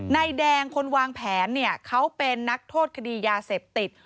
นายแดงคนวางแผนเนี่ยเขาเป็นนักโทษคดียาเสพติด